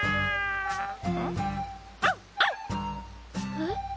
えっ？